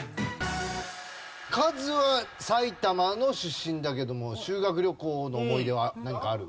カズは埼玉の出身だけども修学旅行の思い出は何かある？